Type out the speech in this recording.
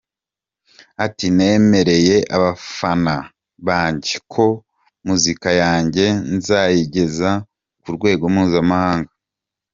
Ati “ Nemereye abafana banjye ko muzika yanjye nzayigeza ku rwego mpuzamahanga.